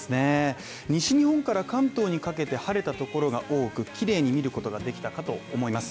西日本から関東にかけて晴れたところが多く綺麗に見ることができたかと思います